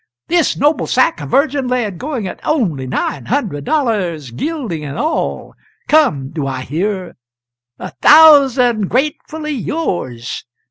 this noble sack of virgin lead going at only nine hundred dollars, gilding and all come! do I hear a thousand! gratefully yours!